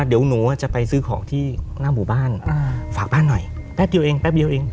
เดี๋ยวหนูอ่ะจะไปซื้อของที่หน้าหมู่บ้านอ่าฝากบ้านหน่อยแป๊บเดี๋ยวเอง